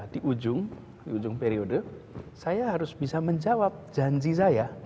di ujung periode saya harus bisa menjawab janji saya